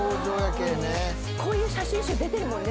こういう写真集出てるもんね。